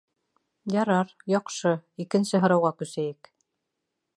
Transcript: Ярар, яҡшы, икенсе һорауға күсәйек